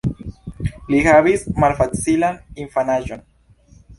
Li havis malfacilan infanaĝon.